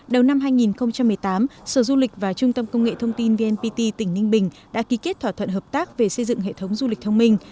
đầu năm hai nghìn một mươi tám sở du lịch và trung tâm công nghệ thông tin vnpt tỉnh ninh bình đã ký kết thỏa thuận hợp tác về xây dựng hệ thống du lịch thông minh